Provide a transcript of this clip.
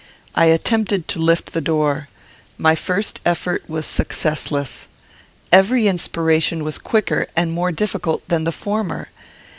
I attempted to lift the door. My first effort was successless. Every inspiration was quicker and more difficult than the former.